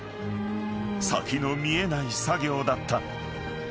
［先の見えない作業だった］